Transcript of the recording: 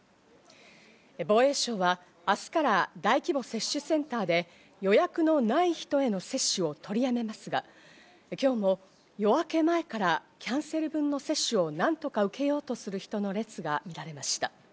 防衛省は明日から大規模接種センターで予約のない人への接種をとりやめますが、今日も夜明け前からキャンセル分の接種をなんとか受けようとする人の列が見られました。